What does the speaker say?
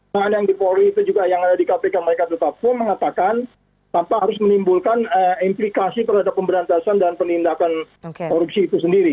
jangan yang di polri itu juga yang ada di kpk mereka tetap pun mengatakan tanpa harus menimbulkan implikasi terhadap pemberantasan dan penindakan korupsi itu sendiri